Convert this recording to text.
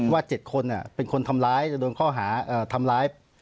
๗คนเป็นคนทำร้ายจะโดนข้อหาทำร้าย